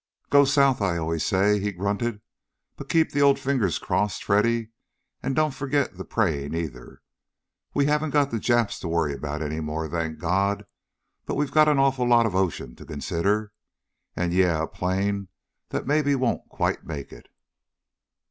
"Go south, I always say," he grunted. "But keep the old fingers crossed, Freddy. And don't forget the praying, either. We haven't got the Japs to worry about any more, thank God. But we have got an awful lot of ocean to consider. And yeah a plane that maybe won't quite make it.